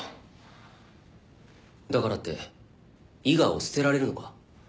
だからって伊賀を捨てられるのか？